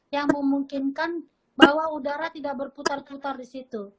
yang memungkinkan bahwa udara tidak berputar putar di situ